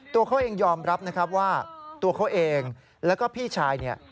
ตัวเขาเองยอมรับนะครับว่าตัวเขาเองแล้วก็พี่ชายเนี่ย